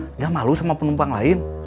dia malu sama penumpang lain